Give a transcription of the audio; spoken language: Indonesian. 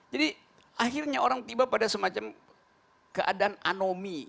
jadi akhirnya orang tiba pada semacam keadaan anomi